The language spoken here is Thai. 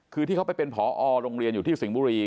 คือที่เขาไปเป็นผอโรงเรียนอยู่ที่สิงห์บุรี